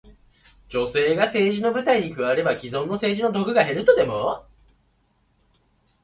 女性が政治の舞台に加われば、既存の政治の毒が減るとでも？